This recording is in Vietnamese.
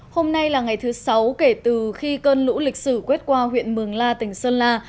hôm nay là ngày thứ sáu kể từ khi cơn lũ lịch sử quét qua huyện mường la tỉnh sơn la